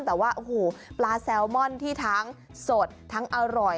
แต่ว่าโอ้โหปลาแซลมอนที่ทั้งสดทั้งอร่อย